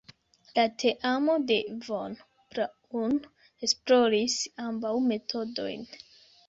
La teamo de Von Braun esploris ambaŭ metodojn.